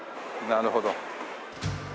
なるほど。